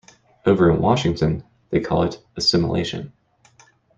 Over in Washington, they call it Assimilation.